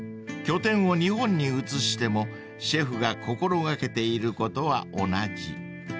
［拠点を日本に移してもシェフが心掛けていることは同じ］